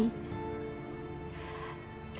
sekecil apapun harus disyukuri